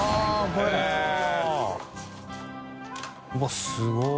うわすごい。